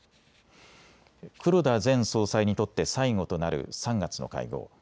黒田前総裁にとって最後となる３月の会合。